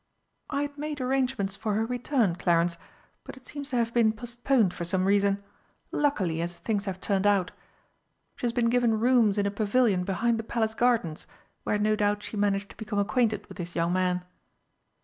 "I had made arrangements for her return, Clarence, but it seems to have been postponed for some reason luckily, as things have turned out. She has been given rooms in a pavilion behind the Palace Gardens, where no doubt she managed to become acquainted with this young man."